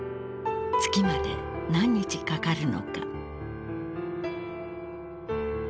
月まで何日かかるのか？